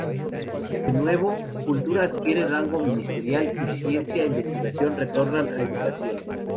De nuevo, Cultura adquiere rango ministerial y Ciencia e Investigación retornan a Educación.